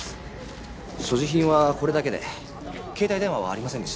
所持品はこれだけで携帯電話はありませんでした。